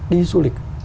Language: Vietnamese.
đi du lịch